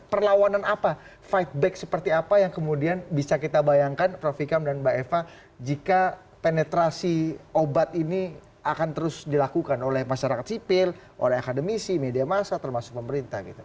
perlawanan apa fight back seperti apa yang kemudian bisa kita bayangkan prof ikam dan mbak eva jika penetrasi obat ini akan terus dilakukan oleh masyarakat sipil oleh akademisi media massa termasuk pemerintah gitu